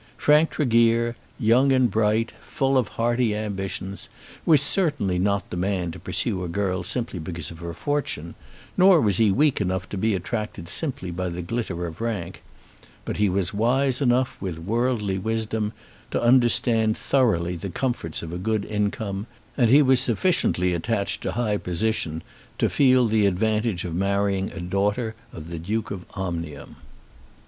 Frank Tregear, young and bright, and full of hearty ambitions, was certainly not the man to pursue a girl simply because of her fortune; nor was he weak enough to be attracted simply by the glitter of rank; but he was wise enough with worldly wisdom to understand thoroughly the comforts of a good income, and he was sufficiently attached to high position to feel the advantage of marrying a daughter of the Duke of Omnium.